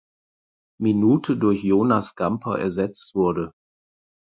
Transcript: Minute durch Jonas Gamper ersetzt wurde.